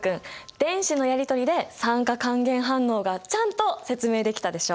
電子のやりとりで酸化還元反応がちゃんと説明できたでしょう？